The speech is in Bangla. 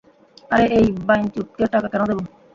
আরে এই বাইঞ্চুদকে টাকা কেন দেব?